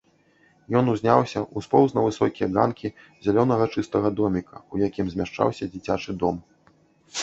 Ён узняўся, успоўз на высокія ганкі зялёнага чыстага доміка, у якім змяшчаўся дзіцячы дом.